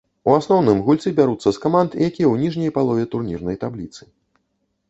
У асноўным гульцы бяруцца з каманд, якія ў ніжняй палове турнірнай табліцы.